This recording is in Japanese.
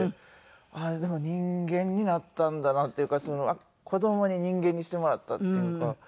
あっでも人間になったんだなっていうか子供に人間にしてもらったっていうか。